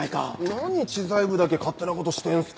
何知財部だけ勝手なことしてんすか。